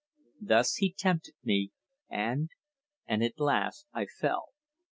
Thus he tempted me and and at last I fell!